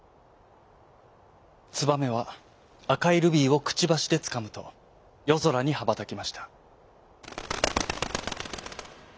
ツバメはあかいルビーをくちばしでつかむとよぞらにはばたきました。